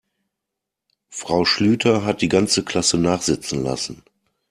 Frau Schlüter hat die ganze Klasse nachsitzen lassen.